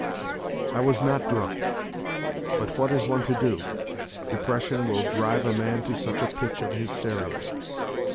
I was not drunk but what is one to do depression will drive a man to such a pitch of hysteria